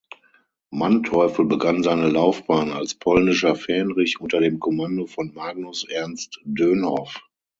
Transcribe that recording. Manteuffel begann seine Laufbahn als polnischer Fähnrich unter dem Kommando von Magnus Ernst Dönhoff.